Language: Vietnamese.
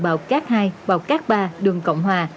bào cát hai bào cát ba đường cộng hòa